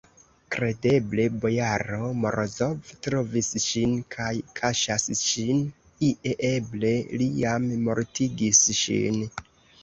Kredeble, bojaro Morozov trovis ŝin kaj kaŝas ŝin ie, eble li jam mortigis ŝin!